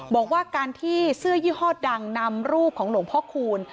บอกว่าการที่เสื้อยี่ห้อดังนำรูปของหลวงพ่อคูณ